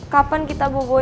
kapan kita berbual